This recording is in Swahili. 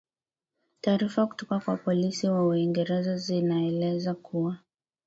taarifa kutoka kwa polisi wa uingerza zinaeleza kuwa